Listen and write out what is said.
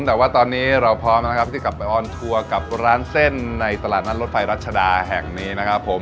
แต่ว่าตอนนี้เราพร้อมนะครับที่กลับไปออนทัวร์กับร้านเส้นในตลาดนัดรถไฟรัชดาแห่งนี้นะครับผม